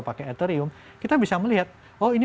pakai etherium kita bisa melihat oh ini